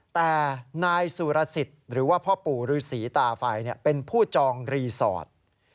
แต่นายสุรสิทธิ์หรือว่าพ่อปู่ฤษีตาไฟเป็นผู้จองรีสอร์ท